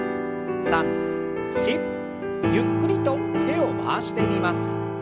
ゆっくりと腕を回してみます。